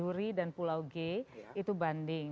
duri dan pulau g itu banding